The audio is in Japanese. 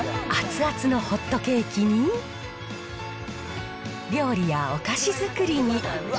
熱々のホットケーキに、料理やお菓子作りに。